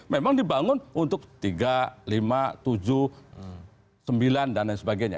memang dibangun untuk tiga lima tujuh sembilan dan lain sebagainya